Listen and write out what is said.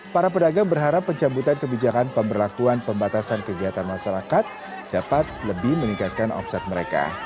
para pedagang berharap pencabutan kebijakan pemberlakuan pembatasan kegiatan masyarakat dapat lebih meningkatkan omset mereka